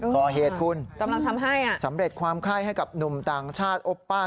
ก่อเหตุคุณสำเร็จความค่ายให้กับหนุ่มต่างชาติโอป้า